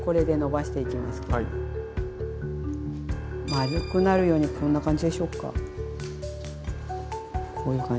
丸くなるようにこんな感じでしょうか。